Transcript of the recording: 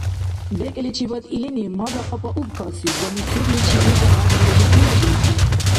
БекӀличибад илини маза-кьапӀа убкасиб ва, михъирличи илра гъяжбарили, тиладиухъун